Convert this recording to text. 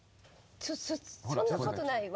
そそんなことないわ。